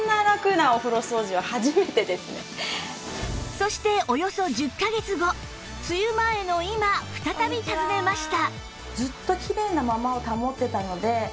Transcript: そしておよそ１０カ月後梅雨前の今再び訪ねました